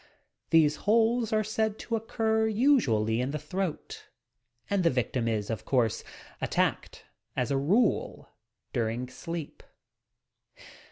These holes are said to occur usually in the throat, and the victim is, of coarse, attacked as a rule during sleep.